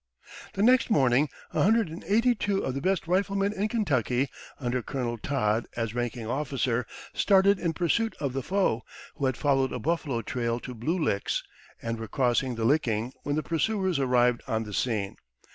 The next morning a hundred and eighty two of the best riflemen in Kentucky, under Colonel Todd as ranking officer, started in pursuit of the foe, who had followed a buffalo trail to Blue Licks, and were crossing the Licking when the pursuers arrived on the scene.